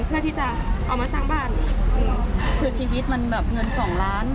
เพื่อที่จะเอามาสร้างบ้านคือชีวิตมันแบบเงินสองล้าน